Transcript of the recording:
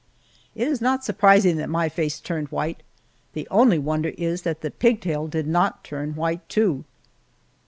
It is not surprising that my face turned white; the only wonder is that the pigtail did not turn white, too!